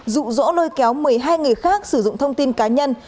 dụ dỗ lôi kéo một mươi hai người khác sử dụng thông tin cá nhân